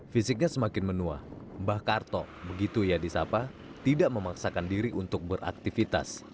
fisiknya semakin menua mbah karto begitu ia disapa tidak memaksakan diri untuk beraktivitas